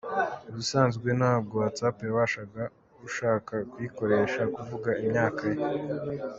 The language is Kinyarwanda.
Ubusanzwe ntabwo WhatsApp yasabaga ushaka kuyikoresha kuvuga imyaka ye.